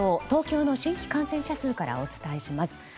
東京の新規感染者数からお伝えします。